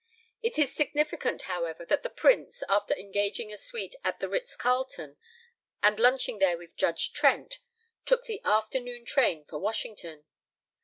It is significant, however, that the Prince, after engaging a suite at the Ritz Carlton, and lunching there with Judge Trent, took the afternoon train for Washington.